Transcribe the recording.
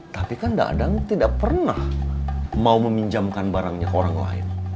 tapi kan dadang tidak pernah mau meminjamkan barangnya ke orang lain